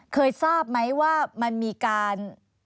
เคยทราบไหมว่ามันมีการ